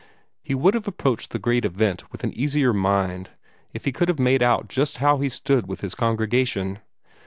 He would have approached the great event with an easier mind if he could have made out just how he stood with his congregation.